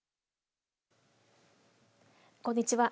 こんにちは。